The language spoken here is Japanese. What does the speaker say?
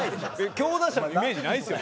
強打者のイメージないですよ